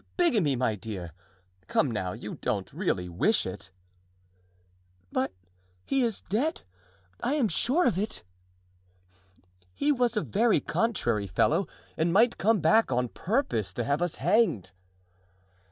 "Bigamy, my dear! Come now, you don't really wish it?" "But he is dead; I am sure of it." "He was a very contrary fellow and might come back on purpose to have us hanged."